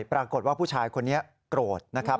ปรากฏว่าผู้ชายคนนี้โกรธนะครับ